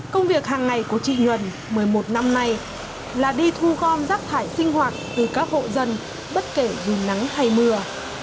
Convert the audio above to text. công việc hàng ngày của chị nhuần một mươi một năm nay là đi thu gom rác thải sinh hoạt từ các hộ dân bất kể vì nắng hay mưa